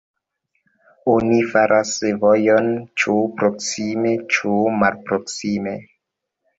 Oni faras vojon, ĉu proksime ĉu malproksime.